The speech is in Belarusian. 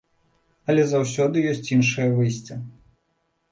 Але заўсёды ёсць іншае выйсце.